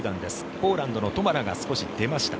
ポーランドのトマラが少し出ました。